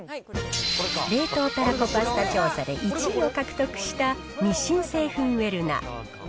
冷凍たらこパスタ調査で１位を獲得した日清製粉ウェルナ。